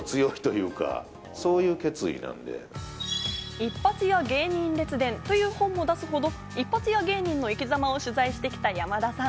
『一発屋芸人列伝』という本を出すほど一発屋芸人の生き様を取材してきた山田さん。